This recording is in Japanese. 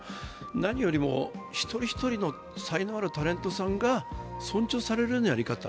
何よりも、一人一人の才能あるタレントさんが、尊重されるようなやり方